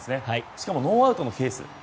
しかも、ノーアウトのケース。